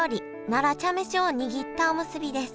奈良茶飯をにぎったおむすびです。